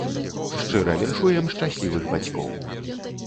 Шчыра віншуем шчаслівых бацькоў!